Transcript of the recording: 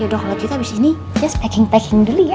yaudah kalau kita abis ini just packing packing dulu ya